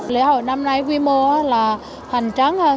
lễ hội năm nay quy mô là hoàn trang hơn